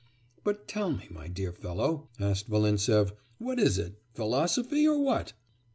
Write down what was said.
'But tell me, my dear fellow,' asked Volintsev, 'what is it, philosophy or what?